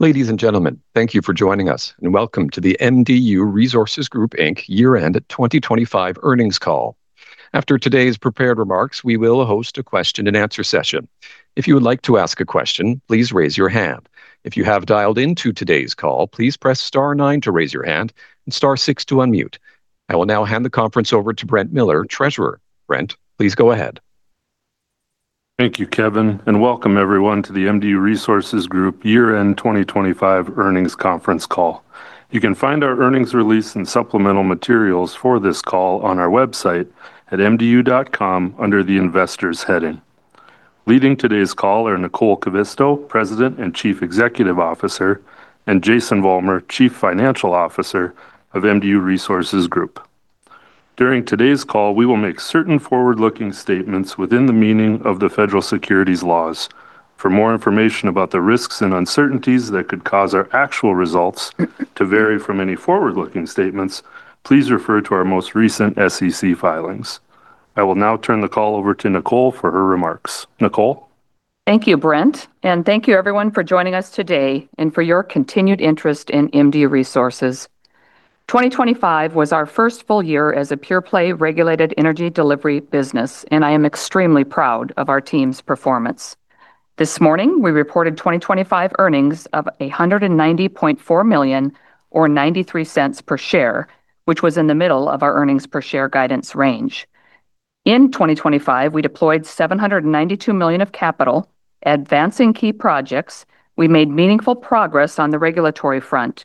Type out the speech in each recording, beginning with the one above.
Ladies and gentlemen, thank you for joining us, and welcome to the MDU Resources Group Inc year-end 2025 earnings call. After today's prepared remarks, we will host a question-and-answer session. If you would like to ask a question, please raise your hand. If you have dialed into today's call, please press star nine to raise your hand and star six to unmute. I will now hand the conference over to Brent Miller, Treasurer. Brent, please go ahead. Thank you, Kevin, and welcome everyone to the MDU Resources Group year-end 2025 earnings conference call. You can find our earnings release and supplemental materials for this call on our website at mdu.com under the Investors heading. Leading today's call are Nicole Kivisto, President and Chief Executive Officer, and Jason Vollmer, Chief Financial Officer of MDU Resources Group. During today's call, we will make certain forward-looking statements within the meaning of the federal securities laws. For more information about the risks and uncertainties that could cause our actual results to vary from any forward-looking statements, please refer to our most recent SEC filings. I will now turn the call over to Nicole for her remarks. Nicole. Thank you, Brent, and thank you everyone for joining us today and for your continued interest in MDU Resources. 2025 was our first full year as a pure-play regulated energy delivery business, and I am extremely proud of our team's performance. This morning, we reported 2025 earnings of $190.4 million, or $0.93 per share, which was in the middle of our earnings per share guidance range. In 2025, we deployed $792 million of capital, advancing key projects, we made meaningful progress on the regulatory front,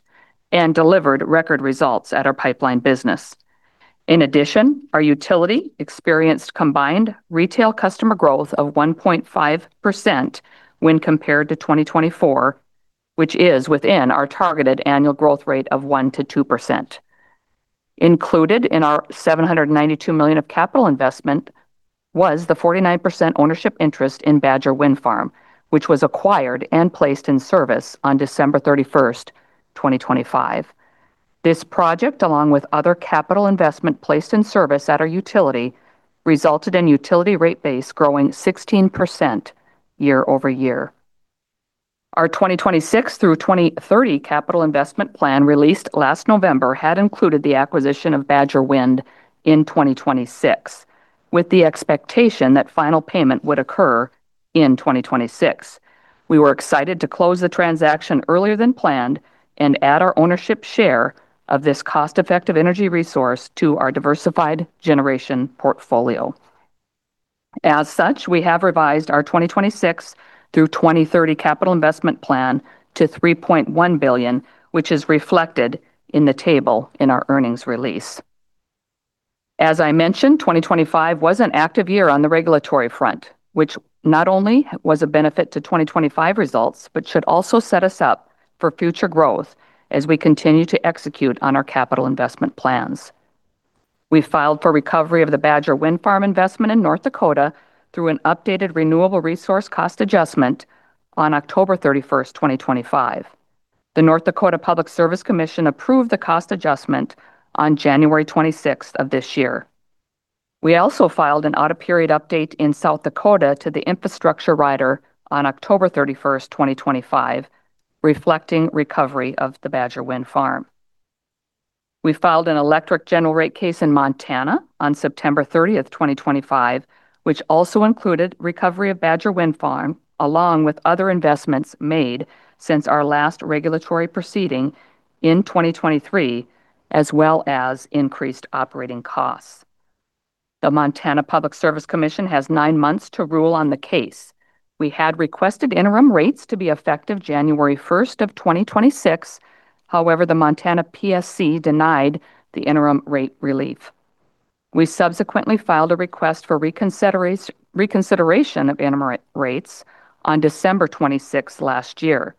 and delivered record results at our pipeline business. In addition, our utility experienced combined retail customer growth of 1.5% when compared to 2024, which is within our targeted annual growth rate of 1%-2%. Included in our $792 million of capital investment was the 49% ownership interest in Badger Wind Farm, which was acquired and placed in service on December 31st, 2025. This project, along with other capital investment placed in service at our utility, resulted in utility rate base growing 16% year-over-year. Our 2026 through 2030 capital investment plan released last November had included the acquisition of Badger Wind in 2026, with the expectation that final payment would occur in 2026. We were excited to close the transaction earlier than planned and add our ownership share of this cost-effective energy resource to our diversified generation portfolio. As such, we have revised our 2026 through 2030 capital investment plan to $3.1 billion, which is reflected in the table in our earnings release. As I mentioned, 2025 was an active year on the regulatory front, which not only was a benefit to 2025 results but should also set us up for future growth as we continue to execute on our capital investment plans. We filed for recovery of the Badger Wind Farm investment in North Dakota through an updated renewable resource cost adjustment on October 31st, 2025. The North Dakota Public Service Commission approved the cost adjustment on January 26 of this year. We also filed an audit period update in South Dakota to the infrastructure rider on October 31st, 2025, reflecting recovery of the Badger Wind Farm. We filed an electric general rate case in Montana on September 30th, 2025, which also included recovery of Badger Wind Farm along with other investments made since our last regulatory proceeding in 2023, as well as increased operating costs. The Montana Public Service Commission has nine months to rule on the case. We had requested interim rates to be effective January 1st of 2026. However, the Montana PSC denied the interim rate relief. We subsequently filed a request for reconsideration of interim rates on December 26 last year.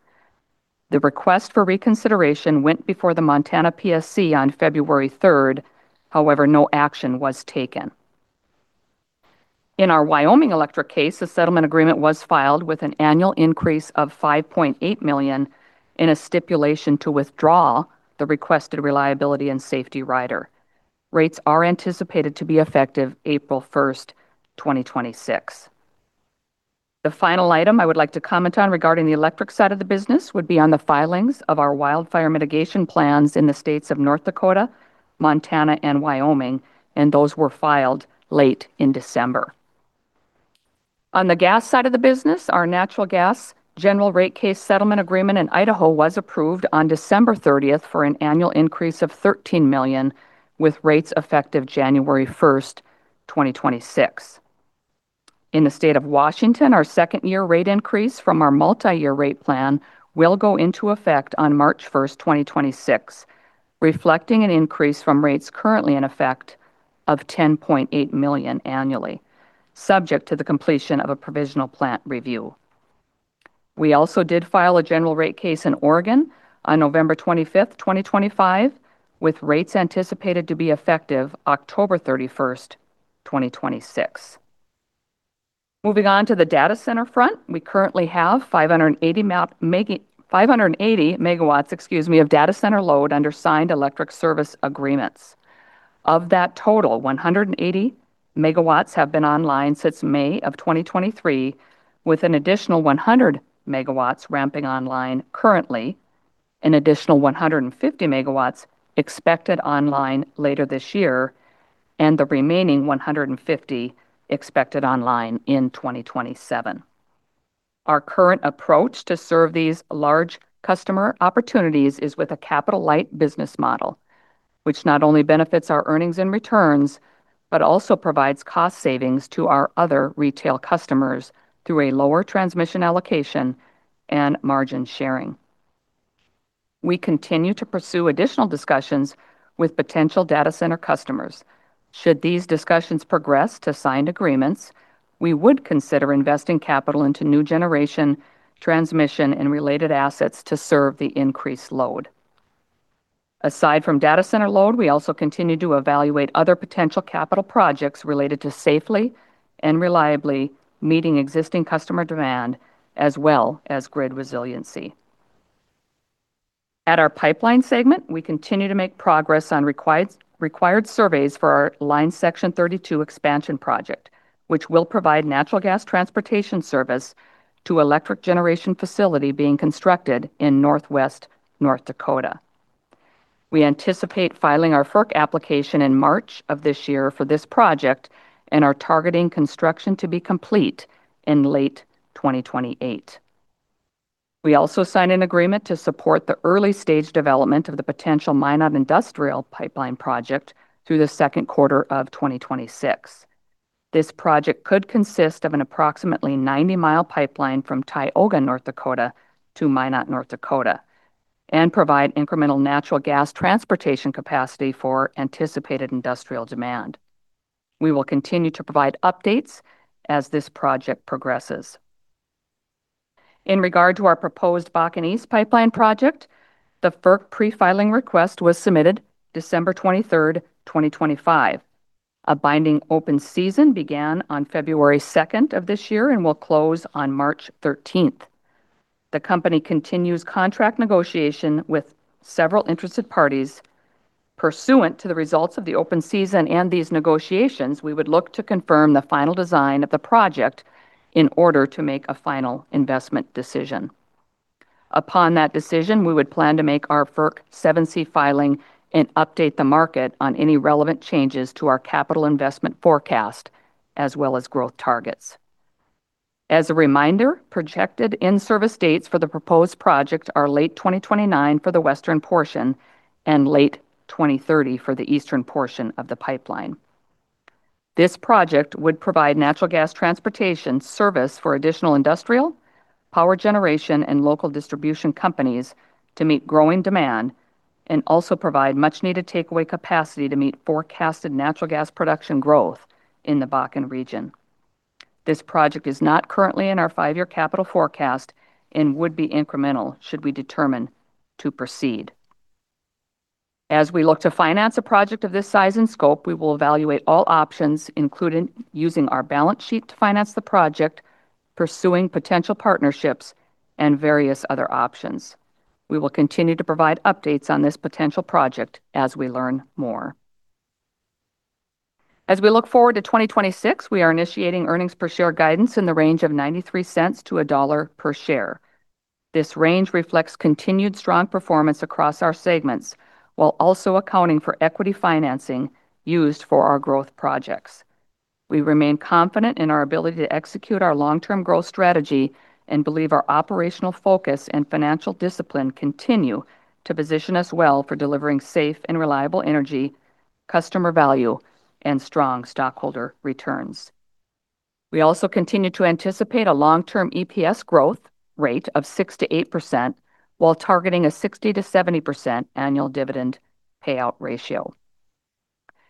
The request for reconsideration went before the Montana PSC on February 3rd. However, no action was taken. In our Wyoming electric case, a settlement agreement was filed with an annual increase of $5.8 million in a stipulation to withdraw the requested reliability and safety rider. Rates are anticipated to be effective April 1st, 2026. The final item I would like to comment on regarding the electric side of the business would be on the filings of our wildfire mitigation plans in the states of North Dakota, Montana, and Wyoming, and those were filed late in December. On the gas side of the business, our natural gas general rate case settlement agreement in Idaho was approved on December 30th for an annual increase of $13 million, with rates effective January 1st, 2026. In the state of Washington, our second-year rate increase from our multi-year rate plan will go into effect on March 1st, 2026, reflecting an increase from rates currently in effect of $10.8 million annually, subject to the completion of a provisional plant review. We also did file a general rate case in Oregon on November 25th, 2025, with rates anticipated to be effective October 31st, 2026. Moving on to the data center front, we currently have 580 MW of data center load under signed electric service agreements. Of that total, 180 megawatts have been online since May of 2023, with an additional 100 MW ramping online currently, an additional 150 MW expected online later this year, and the remaining 150 MW expected online in 2027. Our current approach to serve these large customer opportunities is with a capital-light business model, which not only benefits our earnings and returns but also provides cost savings to our other retail customers through a lower transmission allocation and margin sharing. We continue to pursue additional discussions with potential data center customers. Should these discussions progress to signed agreements, we would consider investing capital into new generation, transmission, and related assets to serve the increased load. Aside from data center load, we also continue to evaluate other potential capital projects related to safely and reliably meeting existing customer demand, as well as grid resiliency. At our pipeline segment, we continue to make progress on required surveys for our Line Section 32 expansion project, which will provide natural gas transportation service to an electric generation facility being constructed in northwest North Dakota. We anticipate filing our FERC application in March of this year for this project, and are targeting construction to be complete in late 2028. We also signed an agreement to support the early-stage development of the potential Minot Industrial Pipeline project through the second quarter of 2026. This project could consist of an approximately 90-mile pipeline from Tioga, North Dakota, to Minot, North Dakota, and provide incremental natural gas transportation capacity for anticipated industrial demand. We will continue to provide updates as this project progresses. In regard to our proposed Bakken East Pipeline project, the FERC pre-filing request was submitted December 23rd, 2025. A binding open season began on February 2nd of this year and will close on March 13th. The company continues contract negotiation with several interested parties. Pursuant to the results of the open season and these negotiations, we would look to confirm the final design of the project in order to make a final investment decision. Upon that decision, we would plan to make our FERC 7C filing and update the market on any relevant changes to our capital investment forecast, as well as growth targets. As a reminder, projected in-service dates for the proposed project are late 2029 for the western portion and late 2030 for the eastern portion of the pipeline. This project would provide natural gas transportation service for additional industrial, power generation, and local distribution companies to meet growing demand and also provide much-needed takeaway capacity to meet forecasted natural gas production growth in the Bakken region. This project is not currently in our five-year capital forecast and would be incremental should we determine to proceed. As we look to finance a project of this size and scope, we will evaluate all options, including using our balance sheet to finance the project, pursuing potential partnerships, and various other options. We will continue to provide updates on this potential project as we learn more. As we look forward to 2026, we are initiating earnings per share guidance in the range of $0.93-$1.00 per share. This range reflects continued strong performance across our segments, while also accounting for equity financing used for our growth projects. We remain confident in our ability to execute our long-term growth strategy and believe our operational focus and financial discipline continue to position us well for delivering safe and reliable energy, customer value, and strong stockholder returns. We also continue to anticipate a long-term EPS growth rate of 6%-8%, while targeting a 60%-70% annual dividend payout ratio.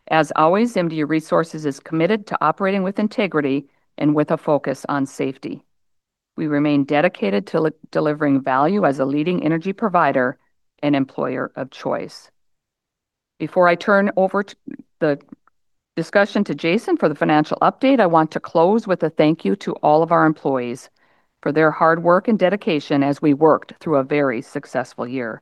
As always, MDU Resources is committed to operating with integrity and with a focus on safety. We remain dedicated to delivering value as a leading energy provider and employer of choice. Before I turn over the discussion to Jason for the financial update, I want to close with a thank you to all of our employees for their hard work and dedication as we worked through a very successful year.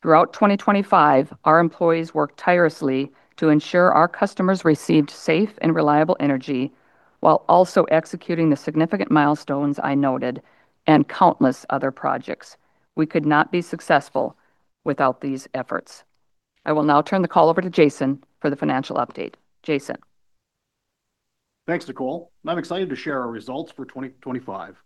Throughout 2025, our employees worked tirelessly to ensure our customers received safe and reliable energy while also executing the significant milestones I noted and countless other projects. We could not be successful without these efforts. I will now turn the call over to Jason for the financial update. Jason. Thanks, Nicole. I'm excited to share our results for 2025.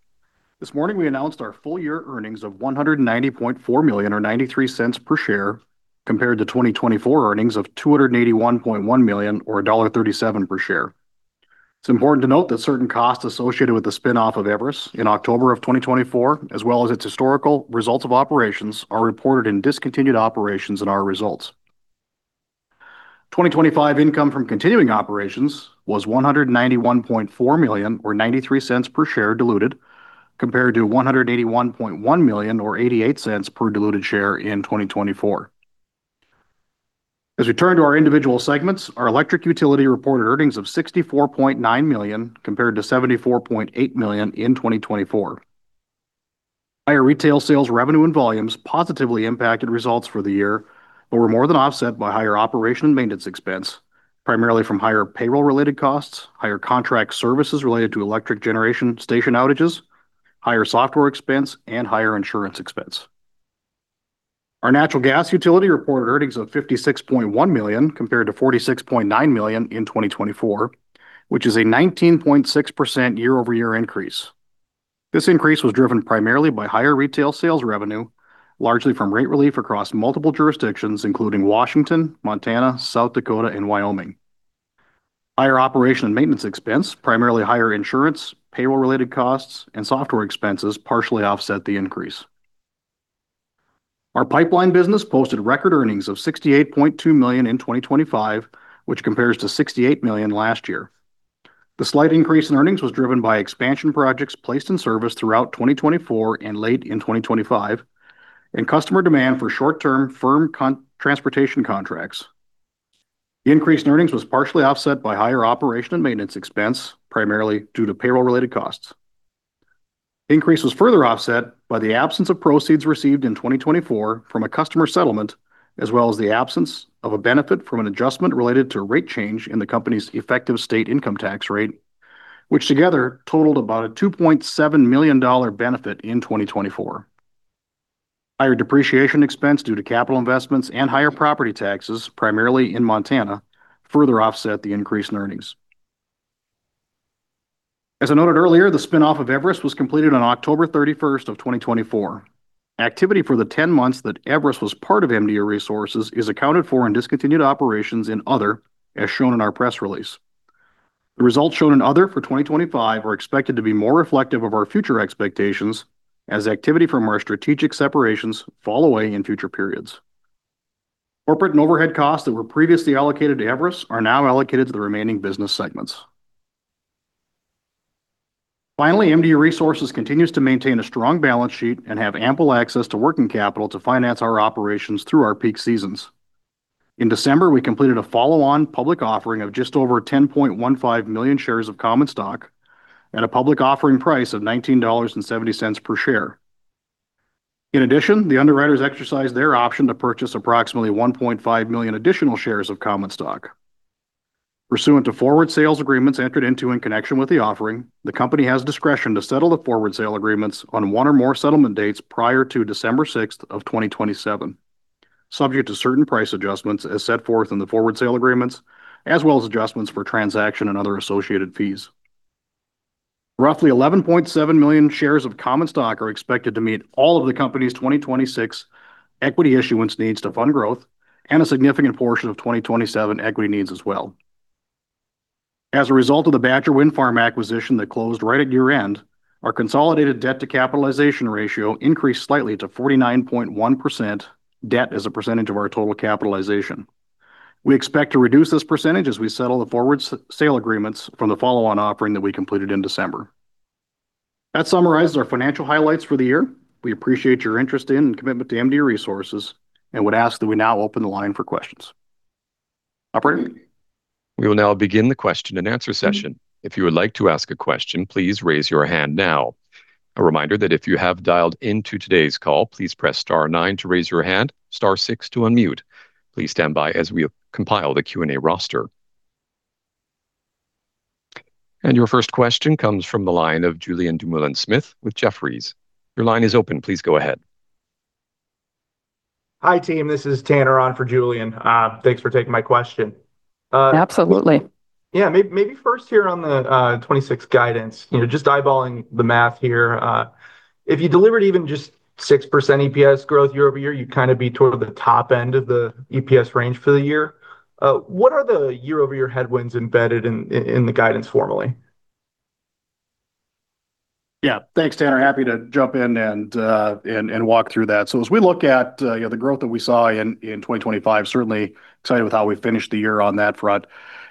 This morning, we announced our full-year earnings of $190.4 million, or $0.93 per share, compared to 2024 earnings of $281.1 million, or $1.37 per share. It's important to note that certain costs associated with the spinoff of Everus in October of 2024, as well as its historical results of operations, are reported in discontinued operations in our results. 2025 income from continuing operations was $191.4 million, or $0.93 per share diluted, compared to $181.1 million, or $0.88 per diluted share in 2024. As we turn to our individual segments, our electric utility reported earnings of $64.9 million compared to $74.8 million in 2024. Higher retail sales revenue and volumes positively impacted results for the year but were more than offset by higher operation and maintenance expense, primarily from higher payroll-related costs, higher contract services related to electric generation station outages, higher software expense, and higher insurance expense. Our natural gas utility reported earnings of $56.1 million compared to $46.9 million in 2024, which is a 19.6% year-over-year increase. This increase was driven primarily by higher retail sales revenue, largely from rate relief across multiple jurisdictions, including Washington, Montana, South Dakota, and Wyoming. Higher operation and maintenance expense, primarily higher insurance, payroll-related costs, and software expenses, partially offset the increase. Our pipeline business posted record earnings of $68.2 million in 2025, which compares to $68 million last year. The slight increase in earnings was driven by expansion projects placed in service throughout 2024 and late in 2025, and customer demand for short-term firm transportation contracts. The increase in earnings was partially offset by higher operation and maintenance expense, primarily due to payroll-related costs. The increase was further offset by the absence of proceeds received in 2024 from a customer settlement, as well as the absence of a benefit from an adjustment related to rate change in the company's effective state income tax rate, which together totaled about a $2.7 million benefit in 2024. Higher depreciation expense due to capital investments and higher property taxes, primarily in Montana, further offset the increase in earnings. As I noted earlier, the spinoff of Everest was completed on October 31st, 2024. Activity for the 10 months that Everest was part of MDU Resources is accounted for in discontinued operations in other, as shown in our press release. The results shown in other for 2025 are expected to be more reflective of our future expectations, as activity from our strategic separations fall away in future periods. Corporate and overhead costs that were previously allocated to Everest are now allocated to the remaining business segments. Finally, MDU Resources continues to maintain a strong balance sheet and have ample access to working capital to finance our operations through our peak seasons. In December, we completed a follow-on public offering of just over 10.15 million shares of common stock at a public offering price of $19.70 per share. In addition, the underwriters exercised their option to purchase approximately 1.5 million additional shares of common stock. Pursuant to forward sale agreements entered into in connection with the offering, the company has discretion to settle the forward sale agreements on one or more settlement dates prior to December 6, 2027, subject to certain price adjustments as set forth in the forward sale agreements, as well as adjustments for transaction and other associated fees. Roughly 11.7 million shares of common stock are expected to meet all of the company's 2026 equity issuance needs to fund growth and a significant portion of 2027 equity needs as well. As a result of the Badger Wind Farm acquisition that closed right at year-end, our consolidated debt-to-capitalization ratio increased slightly to 49.1% debt as a percentage of our total capitalization. We expect to reduce this percentage as we settle the forward sale agreements from the follow-on offering that we completed in December. That summarizes our financial highlights for the year. We appreciate your interest in and commitment to MDU Resources and would ask that we now open the line for questions. Operator. We will now begin the question-and-answer session. If you would like to ask a question, please raise your hand now. A reminder that if you have dialed into today's call, please press star nine to raise your hand, star six to unmute. Please stand by as we compile the Q&A roster. Your first question comes from the line of Julian Dumoulin-Smith with Jefferies. Your line is open. Please go ahead. Hi, team. This is Tanner on for Julian. Thanks for taking my question. Absolutely. Yeah, maybe first here on the 2026 guidance, just eyeballing the math here. If you delivered even just 6% EPS growth year-over-year, you'd kind of be toward the top end of the EPS range for the year. What are the year-over-year headwinds embedded in the guidance formally? Yeah, thanks, Tanner. Happy to jump in and walk through that. So as we look at the growth that we saw in 2025, certainly excited with how we finished the year on that front.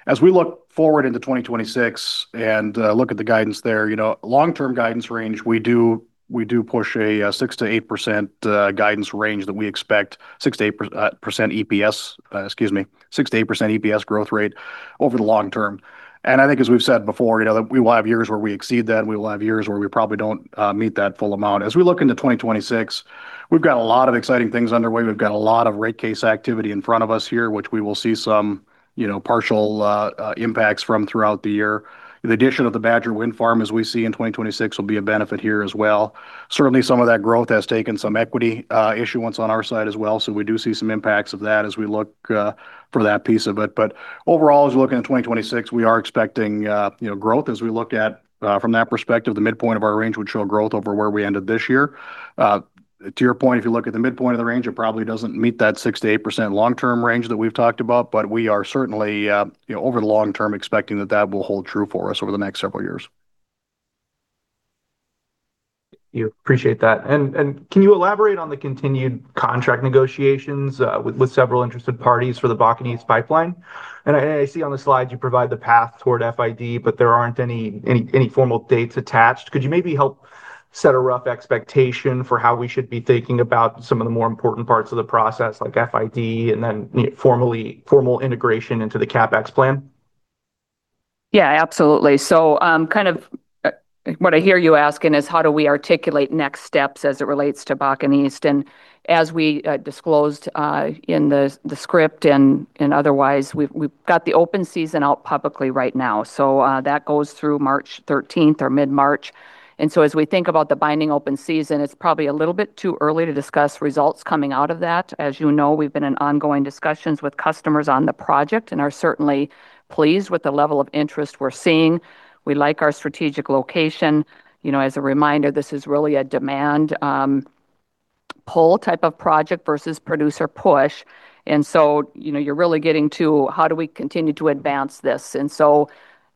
As we look forward into 2026 and look at the guidance there, long-term guidance range, we do push a 6%-8% guidance range that we expect, 6%-8% EPS, excuse me, 6%-8% EPS growth rate over the long term. And I think, as we've said before, we will have years where we exceed that. We will have years where we probably don't meet that full amount. As we look into 2026, we've got a lot of exciting things underway. We've got a lot of rate case activity in front of us here, which we will see some partial impacts from throughout the year. The addition of the Badger Wind Farm, as we see in 2026, will be a benefit here as well. Certainly, some of that growth has taken some equity issuance on our side as well. So we do see some impacts of that as we look for that piece of it. But overall, as we look into 2026, we are expecting growth. As we look at from that perspective, the midpoint of our range would show growth over where we ended this year. To your point, if you look at the midpoint of the range, it probably doesn't meet that 6%-8% long-term range that we've talked about. But we are certainly, over the long term, expecting that that will hold true for us over the next several years. You appreciate that. Can you elaborate on the continued contract negotiations with several interested parties for the Bakken East Pipeline? I see on the slides, you provide the path toward FID, but there aren't any formal dates attached. Could you maybe help set a rough expectation for how we should be thinking about some of the more important parts of the process, like FID and then formal integration into the CapEx plan? Yeah, absolutely. So kind of what I hear you asking is, how do we articulate next steps as it relates to Bakken East? And as we disclosed in the script and otherwise, we've got the open season out publicly right now. So that goes through March 13th or mid-March. And so as we think about the binding open season, it's probably a little bit too early to discuss results coming out of that. As you know, we've been in ongoing discussions with customers on the project and are certainly pleased with the level of interest we're seeing. We like our strategic location. As a reminder, this is really a demand pull type of project versus producer push. And so you're really getting to, how do we continue to advance this? And so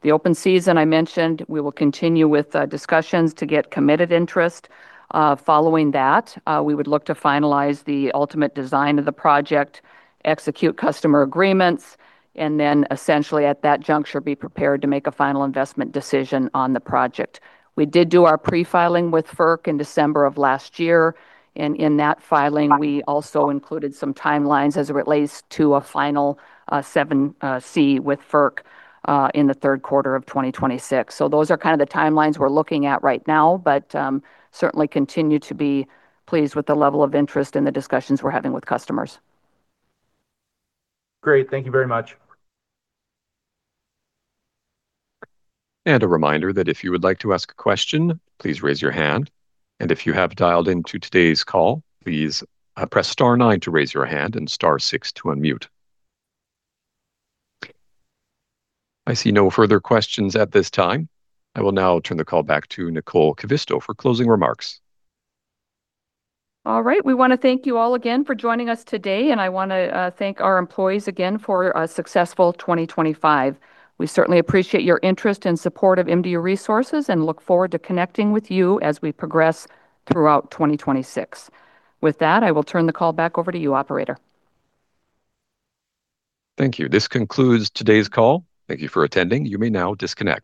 the open season I mentioned, we will continue with discussions to get committed interest. Following that, we would look to finalize the ultimate design of the project, execute customer agreements, and then essentially, at that juncture, be prepared to make a final investment decision on the project. We did do our pre-filing with FERC in December of last year. In that filing, we also included some timelines as it relates to a final 7C with FERC in the third quarter of 2026. Those are kind of the timelines we're looking at right now, but certainly continue to be pleased with the level of interest and the discussions we're having with customers. Great. Thank you very much. A reminder that if you would like to ask a question, please raise your hand. If you have dialed into today's call, please press star nine to raise your hand and star six to unmute. I see no further questions at this time. I will now turn the call back to Nicole Kivisto for closing remarks. All right. We want to thank you all again for joining us today. I want to thank our employees again for a successful 2025. We certainly appreciate your interest and support of MDU Resources and look forward to connecting with you as we progress throughout 2026. With that, I will turn the call back over to you, Operator. Thank you. This concludes today's call. Thank you for attending. You may now disconnect.